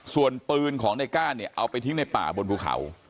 ส่วนปืนของในก้านเนี่ยเอาไปทิ้งในป่าบนภูเขา